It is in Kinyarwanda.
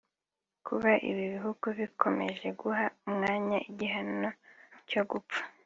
Kuba ibi bihugu bikomeje guha umwanya igihano cyo gupfa